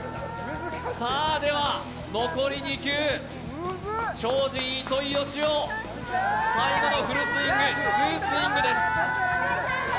残り２球、超人・糸井嘉男、最後のフルスイング、２スイングです。